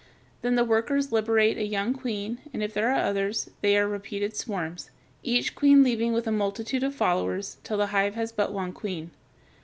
Then the workers liberate a young queen, and if there are others, there are repeated swarms, each queen leaving with a multitude of followers, till the hive has but one queen.